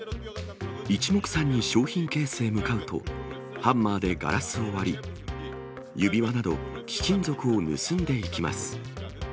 いちもくさんに商品ケースへ向かうと、ハンマーでガラスを割り、指輪など貴金属を盗んでいきます。